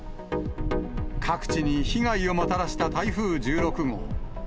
各地に被害をもたらした台風１６号。